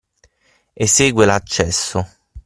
Esegue l'accesso.